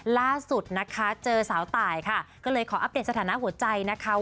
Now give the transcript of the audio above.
ล่าสุดนะคะเจอสาวตายค่ะก็เลยขออัปเดตสถานะหัวใจนะคะ